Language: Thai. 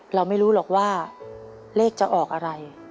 เราไม่รู้หรอกว่าเลขจะออกอะไร